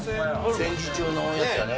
戦時中のおやつやね。